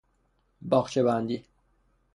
باغچه بندی